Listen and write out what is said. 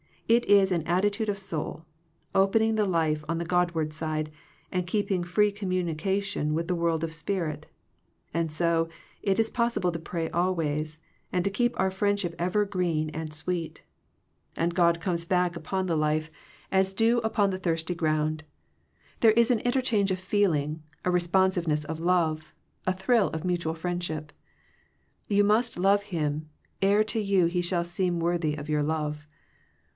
It is an attitude of soul, opening the life on the Godward side, and keeping free commu nication with the world of spirit. And so, it is possible to pray always, and to keep our friendship ever green and sweet : and God comes back upon the 234 Digitized by VjOOQIC THE HIGHER FRIENDSHIP life, as dew upon the thirsty ground. There is an interchange of feeling, a re sponsiveness of love, a thrill of mutual friendship. You must love Him, ere to you He shall seem worthy of your love.